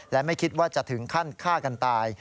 และไม่คิดว่าจะถึงขั้นฆ่ากันตาย